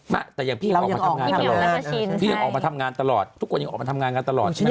ไม่แต่อย่างพี่ยังออกมาทำงานตลอดพี่ยังออกมาทำงานตลอดทุกคนยังออกมาทำงานกันตลอดใช่ไหม